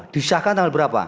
disahkan tanggal berapa